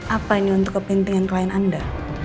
apa ini untuk kepentingan klien anda